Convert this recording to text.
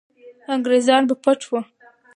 انګریزان به پټ وو.